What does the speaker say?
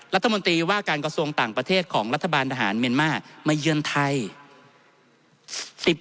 รัฐมนตรีว่าการกระทรวงต่างประเทศของรัฐบาลทหารเมียนมาร์มาเยือนไทย